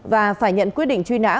và phải nhận quyết định truy nã